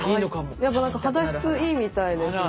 やっぱ何か肌質いいみたいですね。